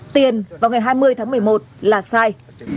tiền vào ngày hai mươi tháng một mươi một là sai